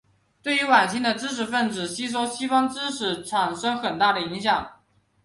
对于晚清的知识分子吸收西方知识产生很大的影响。